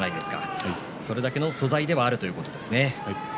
それだけの素材ではあるということですね。